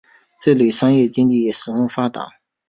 这里商业经济也十分发达。